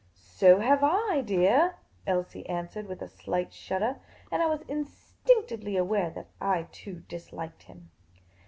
" So have I, dear," Elsie answered, with a slight shudder. And I was instinctively aware that I too disliked him.